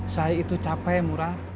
saya itu capek mura